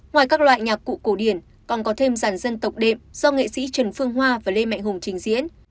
ngoài các loại nhạc cụ cổ điển còn có thêm ràn dân tộc đệm do nghệ sĩ trần phương hoa và lê mạnh hùng trình diễn